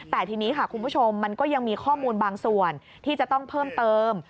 แต่ทีนี้ค่ะคุณผู้ชมมันก็ยังมีข้อมูลบางส่วนที่จะต้องเพิ่มเติม